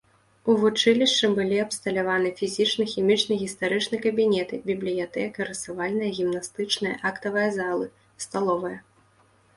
У вучылішчы былі абсталяваны фізічны, хімічны, гістарычны кабінеты, бібліятэка, рысавальная, гімнастычная, актавая залы, сталовая.